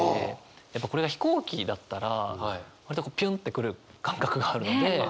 やっぱこれが飛行機だったら割とピュンって来る感覚があるのでそのやっぱ。